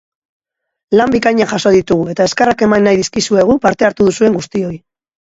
Lan bikainak jaso ditugu eta eskerrak eman nahi dizkizuegu parte hartu duzuen guztioi!